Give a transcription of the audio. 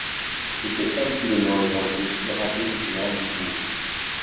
C'était elle qu'il honorait dans le costume râpé du général Dubourg.